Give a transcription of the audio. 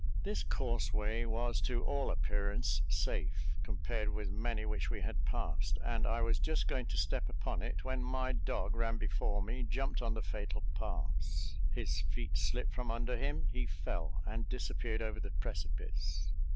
This causeway was to all appearance safe, compared with many which we had passed, and I was just going to step upon it, when my dog ran before me, jumped on the fatal pass his feet slipped from under him he fell, and disappeared over the precipice!